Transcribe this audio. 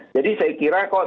jadi saya kira kok